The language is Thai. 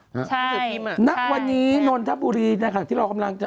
ใช่ใช่นักวันนี้นนทบุรีในขณะที่เรากำลังจะ